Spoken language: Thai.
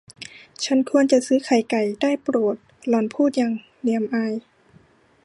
ฉันควรจะซื้อไข่ไก่ ได้โปรด หล่อนพูดอย่างเหนียมอาย